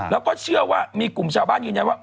แล้วก็เชื่อว่ามีกลุ่มชาวบ้านยืนยันว่า